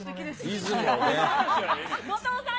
後藤さん。